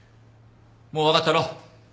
もう分かったろ？